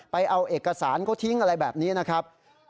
เอาเอกสารเขาทิ้งอะไรแบบนี้นะครับ